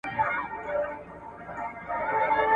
د الله تعالی پر قضا باندي ناراضي د کفر سبب دی.